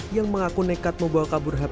yang mengaku nekat membawa kabur hp korban